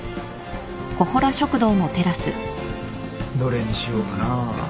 どれにしようかなぁ。